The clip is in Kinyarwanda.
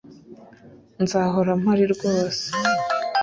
nzahora mpari rwose